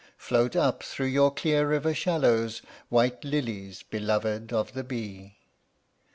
Float up through your clear river shallows, White lilies, beloved of the bee.